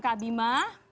ini smk bima